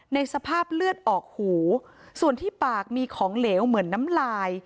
ในสภาพเลือดออกหูส่วนที่ปากมีของเหลวเหมือนน้ำลาย